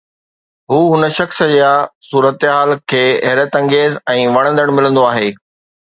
هو هن شخص يا صورتحال کي حيرت انگيز ۽ وڻندڙ ملندو آهي